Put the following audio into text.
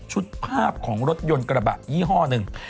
ภาพของรถยนต์กระบะยี่ห้อหนึ่ง